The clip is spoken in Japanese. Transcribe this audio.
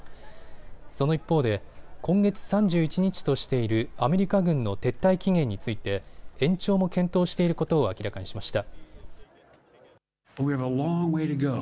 その一方で今月３１日としているアメリカ軍の撤退期限について延長も検討していることを明らかにしました。